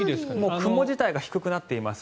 雲自体が低くなっていますね。